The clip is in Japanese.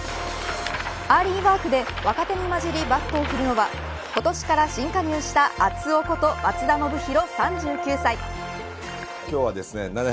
アーリーワークで若手に交じってバットを振るのは今年から新加入した熱男こと松田宣浩３９歳。